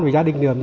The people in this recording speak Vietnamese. về gia đình nữa